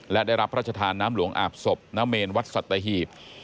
และได้รับพระชธานน้ำหลวงอาบศพณเมนวัดสัตหีบ